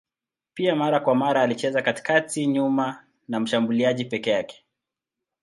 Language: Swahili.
Pia mara kwa mara alicheza katikati nyuma ya mshambuliaji peke yake.